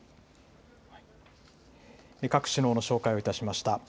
各首脳の紹介をいたしました。